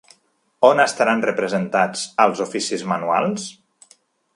On estaran representats els oficis manuals?